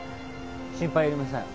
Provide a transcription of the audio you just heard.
心配いりません